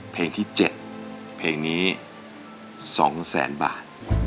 เพลงที่๗เพลงนี้๒แสนบาท